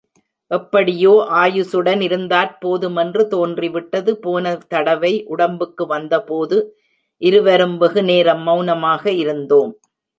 எப்படியோ ஆயுசுடன் இருந்தாற் போதுமென்று தோன்றிவிட்டது போனதடவை உடம்புக்கு வந்தபோது... இருவரும் வெகுநேரம் மெளனமாக இருந்தோம்.